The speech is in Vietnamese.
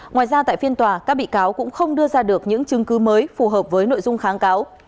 ngoài ra tại phiên tòa các bị cáo cũng không đưa ra được những chứng cứ mới phù hợp với nội dung kháng cáo